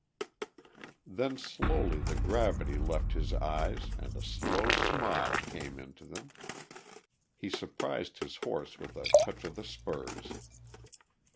Then slowly the gravity left his eyes and a slow smile came into them. He surprised his horse with a touch of the spurs.